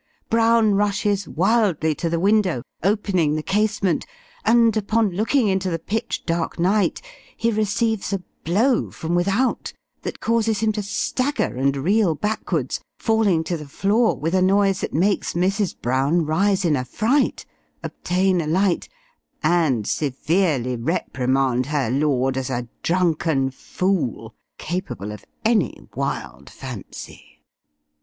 Brown rushes wildly to the window, opening the casement; and, upon looking into the pitch dark night, he receives a blow from without, that causes him to stagger and reel backwards, falling to the floor, with a noise that makes Mrs. Brown rise in a fright, obtain a light, and severely reprimand her lord as a drunken fool capable of any wild fancy!